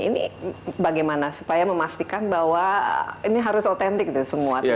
ini bagaimana supaya memastikan bahwa ini harus otentik itu semuanya